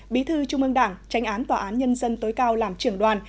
bí thư trung ương đảng tránh án tòa án nhân dân tối cao làm trưởng đoàn